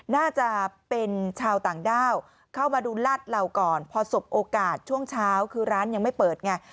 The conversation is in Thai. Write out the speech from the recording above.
น่าจะเป็นชาวต่างด้าวเข้ามาดูลาดเหล่าก่อนพอสบโอกาสช่วงเช้าคือร้านยังไม่เปิดไง